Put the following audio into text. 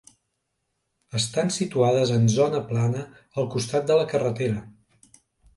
Estan situades en zona plana al costat de la carretera.